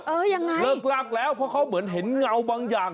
เออยังไงเลิกลากแล้วเพราะเขาเหมือนเห็นเงาบางอย่าง